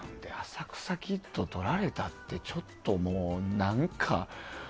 浅草キッド」とられたってちょっともう何か。